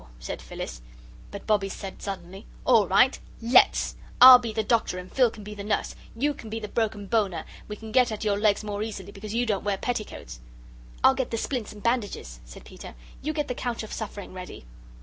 said Phyllis. But Bobbie said suddenly: "All right LET'S! I'll be the doctor, and Phil can be the nurse. You can be the broken boner; we can get at your legs more easily, because you don't wear petticoats." "I'll get the splints and bandages," said Peter; "you get the couch of suffering ready."